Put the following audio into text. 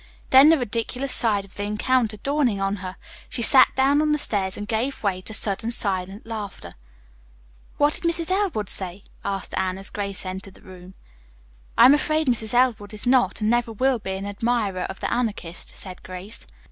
Then the ridiculous side of the encounter dawning on her, she sat down on the stairs and gave way to sudden silent laughter. "What did Mrs. Elwood say?" asked Anne as Grace entered the room. "I am afraid Mrs. Elwood is not, and never will be, an admirer of the Anarchist," said Grace.